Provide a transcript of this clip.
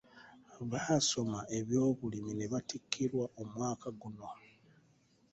Baasoma eby'obulimi ne batikkirwa omwaka guno.